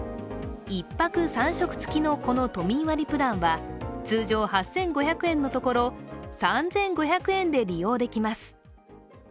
１泊３食付きのこの都民割プランは通常８５００円のところ、３５００円で利用できます。